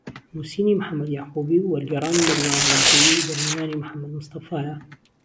نووسینی محەممەد یەعقوبی و وەرگێڕانی مەریوان هەڵەبجەیی و دەرهێنانی محەممەد مستەفایە